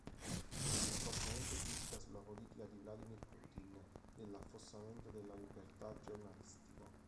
È fortemente critica sulla politica di Vladimir Putin dell'affossamento della libertà giornalistica.